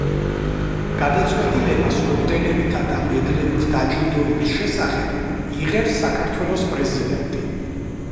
გადაწყვეტილებას ორდენებითა და მედლებით დაჯილდოების შესახებ იღებს საქართველოს პრეზიდენტი.